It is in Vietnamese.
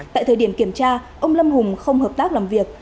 tại thời điểm kiểm tra ông lâm hùng không hợp tác làm việc